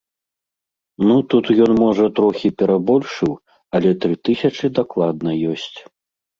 Ну, тут ён, можа, трохі перабольшыў, але тры тысячы дакладна ёсць.